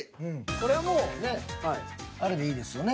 これはもうあれでいいですよね